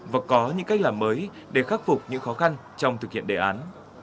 và có những cách làm mới để khắc phục những khó khăn trong thực hiện đề án